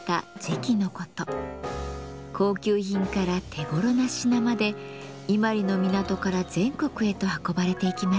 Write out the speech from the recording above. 高級品から手頃な品まで伊万里の港から全国へと運ばれていきました。